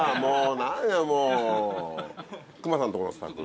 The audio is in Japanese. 何だよ隈さんとこのスタッフ？